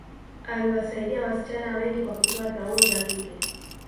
aliwasaidia wasichana wengi kwa kutoa taulo za kike